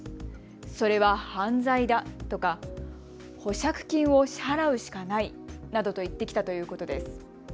それは犯罪だとか、保釈金を支払うしかないなどと言ってきたということです。